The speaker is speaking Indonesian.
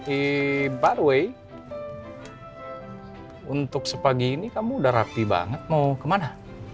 eh by the way untuk sepagi ini kamu udah rapi banget mau kemana